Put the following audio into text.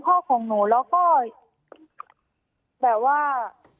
ของหนูแล้วก็แบบว่า